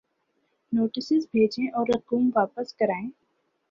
Notices بھیجیں اور رقوم واپس کرائیں۔